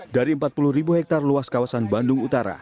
dari empat puluh ribu hektare luas kawasan bandung utara